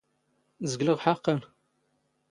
ⵣⴳⵍⵖ ⵃⴰⵇⵇⴰⵏ.